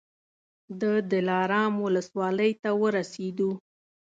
د دلارام ولسوالۍ ته ورسېدو.